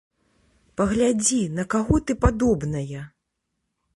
Паглядзі, на каго ты падобная!